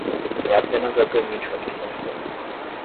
É apenas obviamente uma questão de tempo.